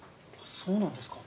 そうなんですか。